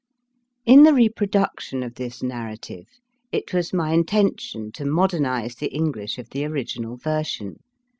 TN the reproduction of this narrative it was my intention to modernise the English of the original version.